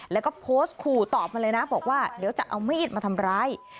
แล้วก็โพสต์ขู่ตอบมาเลยนะบอกว่าเดี๋ยวจะเอามีดมาทำร้าย